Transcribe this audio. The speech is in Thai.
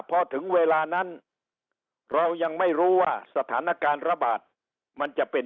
พอถึงเวลานั้นเรายังไม่รู้ว่าสถานการณ์ระบาดมันจะเป็น